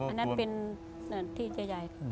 อันนั้นเป็นที่ใหญ่